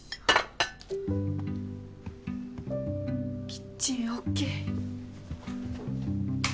キッチンＯＫ